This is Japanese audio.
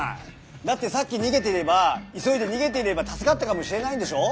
だってさっき逃げていれば急いで逃げていれば助かったかもしれないんでしょう？